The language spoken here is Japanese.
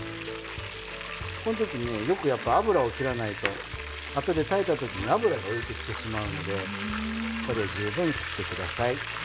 この時ねよくやっぱ油をきらないとあとで炊いた時に油が浮いてきてしまうので十分きってください。